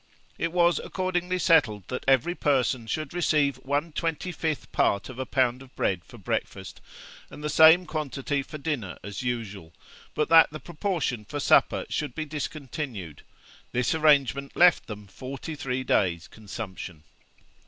It was accordingly settled that every person should receive one twenty fifth part of a pound of bread for breakfast, and the same quantity for dinner as usual, but that the proportion for supper should be discontinued; this arrangement left them forty three days' consumption.